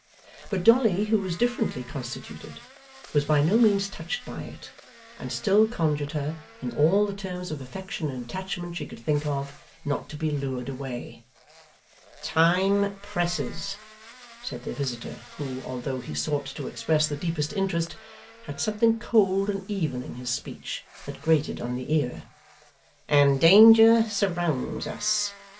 But Dolly, who was differently constituted, was by no means touched by it, and still conjured her, in all the terms of affection and attachment she could think of, not to be lured away. 'Time presses,' said their visitor, who, although he sought to express the deepest interest, had something cold and even in his speech, that grated on the ear; 'and danger surrounds us.